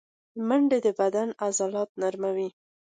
منډه د بدن عضلات نرموي